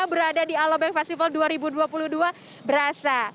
berada di alobank festival dua ribu dua puluh dua berasa